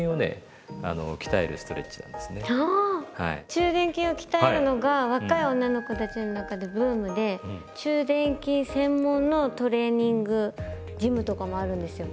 中臀筋を鍛えるのが若い女の子たちの中でブームで中臀筋専門のトレーニングジムとかもあるんですよ。